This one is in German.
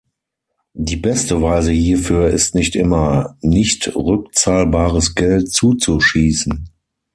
Die beste Weise hierfür ist nicht immer, nicht rückzahlbares Geld zuzuschießen.